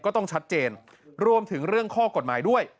ก็ต้องชัดเจนรวมถึงเรื่องข้อกฎหมายด้วย